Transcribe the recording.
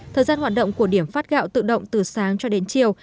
thời gian hoạt động của điểm phát gạo tự động từ sáng cho đến chiều